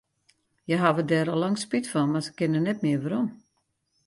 Hja hawwe dêr al lang spyt fan, mar se kinne net mear werom.